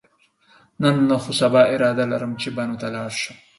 نن نه، خو سبا اراده لرم چې بنو ته لاړ شم.